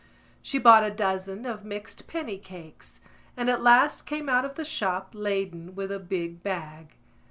She bought a dozen of mixed penny cakes, and at last came out of the shop laden with a big bag.